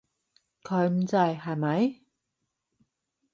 佢唔制，係咪？